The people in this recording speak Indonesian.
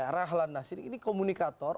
rahlan nasirik ini komunikator